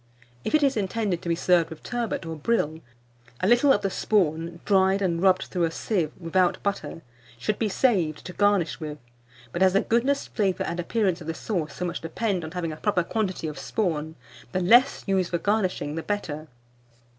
If it is intended to be served with turbot or brill, a little of the spawn (dried and rubbed through a sieve without butter) should be saved to garnish with; but as the goodness, flavour, and appearance of the sauce so much depend on having a proper quantity of spawn, the less used for garnishing the better.